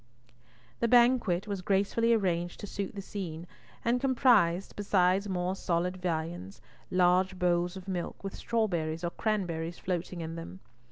The banquet was gracefully arranged to suit the scene, and comprised, besides more solid viands, large bowls of milk, with strawberries or cranberries floating in them.